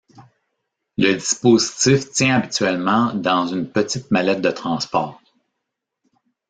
Le dispositif tient habituellement dans une petite mallette de transport.